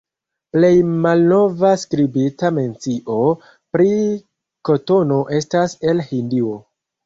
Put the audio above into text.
Plej malnova skribita mencio pri kotono estas el Hindio.